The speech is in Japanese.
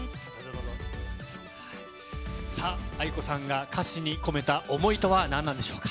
ａｉｋｏさんが歌詞に込めた思いとは何なんでしょうか。